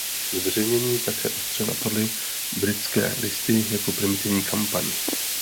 Zveřejnění také ostře napadly "Britské listy" jako primitivní kampaň.